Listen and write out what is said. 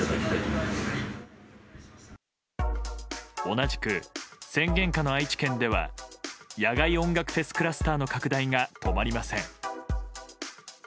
同じく宣言下の愛知県では野外音楽フェスクラスターの拡大が止まりません。